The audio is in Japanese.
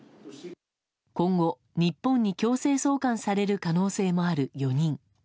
今後、日本に強制送還される可能性もある４人。